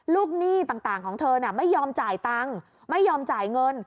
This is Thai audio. หนี้ต่างของเธอน่ะไม่ยอมจ่ายตังค์ไม่ยอมจ่ายเงิน